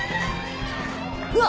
うわ。